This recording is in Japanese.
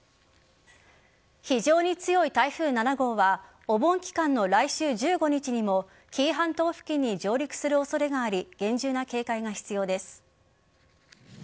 非常に強い台風７号はお盆期間の来週１５日にも紀伊半島付近に上陸する恐れがあり厳重な警戒が必要です。